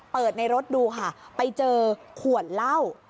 ในรถดูค่ะไปเจอขวดเหล้า